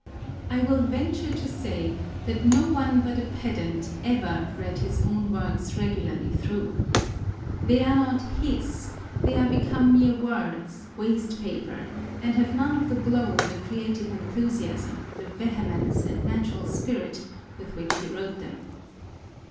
I will venture to say, that no one but a pedant ever read his own works regularly through. They are not his â€" they are become mere words, waste paper, and have none of the glow, the creative enthusiasm, the vehemence, and natural spirit with which he wrote them.